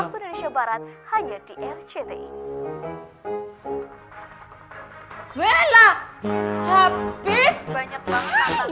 waktu indonesia barat hanya di rcti